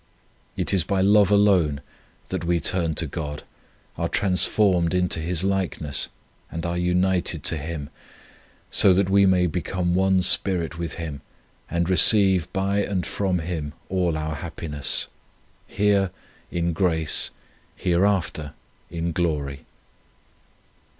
It is by love alone that we turn to God, are transformed into His likeness, and are united to Him, so that we become one spirit with Him, and receive by and from Him all our happiness : here in 76 The Love of God grace, hereafter in glory.